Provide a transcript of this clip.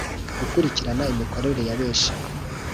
Gukurikirana imikorere y’abenshi